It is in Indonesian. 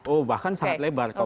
oh bahkan sangat lebar